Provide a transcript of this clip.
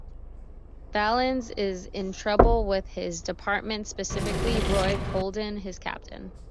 Valens is in trouble with his department, specifically Roy Klodin, his captain.